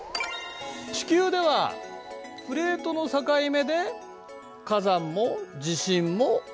地球ではプレートの境目で火山も地震も起きる。